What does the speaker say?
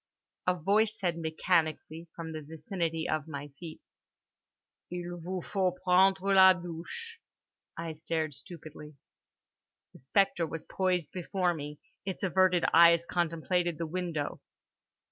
A voice said mechanically from the vicinity of my feet: "Il vous faut prendre la douche"—I stared stupidly. The spectre was poised before me; its averted eyes contemplated the window.